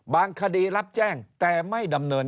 คดีรับแจ้งแต่ไม่ดำเนิน